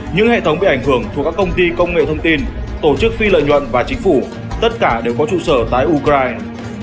những hệ thống bị ảnh hưởng thuộc các công ty công nghệ thông tin tổ chức phi lợi nhuận và chính phủ tất cả đều có trụ sở tại ukraine